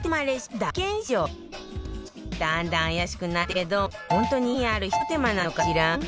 だんだん怪しくなっていくけど本当に意味あるひと手間なのかしら？